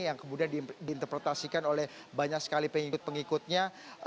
yang kemudian diinterpretasikan oleh banyak sekali pengikut pengikutnya